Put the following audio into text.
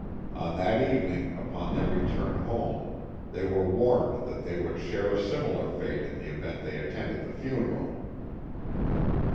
On that evening, upon their return home, they were warned that they would share a similar fate in the event they attended the funeral.